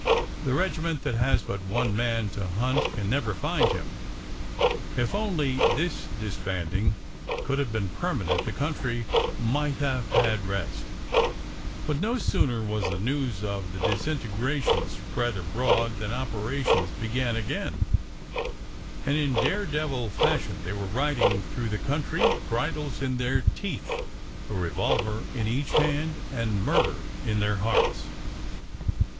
The regiment that has but one man to hunt can never find him." If only this disbanding could have been permanent the country might have had rest, THE HEIR COMES TO HIS OWN 315 but no sooner was the news of the disintegration spread abroad than operations began again, and in daredevil fashion they were riding through the country, bridles in their teeth, a revolver in each hand, and murder in their hearts.